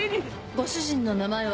ご主人の名前は？